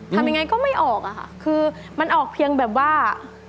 ทำยังไงก็ไม่ออกอะค่ะคือมันออกเพียงแบบว่า